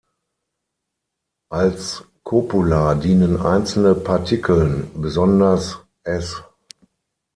Als Kopula dienen einzelne Partikeln, besonders "š".